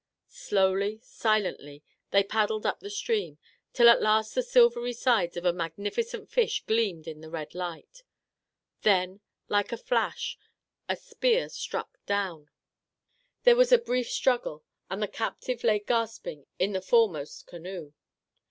Slowly, silently, they paddled up the stream, till at last the silvery sides of a mag nificent fish gleamed in the red light. Then, like a flash, a spear struck down, there was 68 Our Little Canadian Cousin a brief struggle, and the captive lay gasping in the foremost canoe.